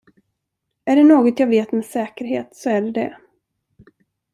Är det något jag vet med säkerhet, så är det det.